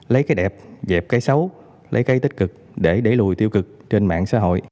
lấy cây đẹp dẹp cây xấu lấy cây tích cực để đẩy lùi tiêu cực trên mạng xã hội